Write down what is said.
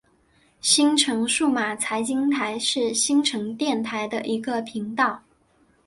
新城数码财经台是新城电台的一个频道。